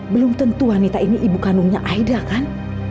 belum tentu wanita ini ibu kandungnya aida kan